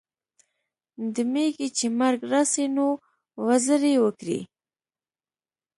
د میږي چي مرګ راسي نو، وزري وکړي.